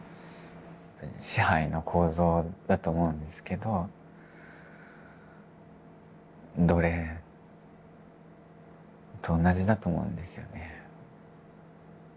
支配の構造だと思うんですけど奴隷と同じだと思うんですよね。